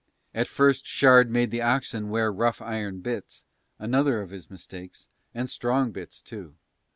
At first Shard made the oxen wear rough iron bits, another of his mistakes, and strong bits too.